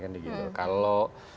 kan gitu kalau